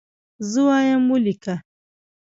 زه وایم ولیکه.